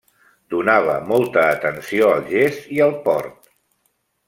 Donava molta atenció al gest i al port.